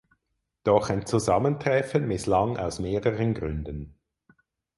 Doch ein Zusammentreffen misslang aus mehreren Gründen.